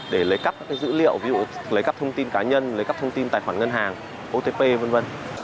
để lấy cắp các dữ liệu ví dụ lấy cắp thông tin cá nhân lấy cắp thông tin tài khoản ngân hàng otp v v